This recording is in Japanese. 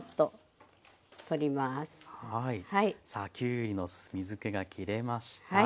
さあきゅうりの水けがきれました。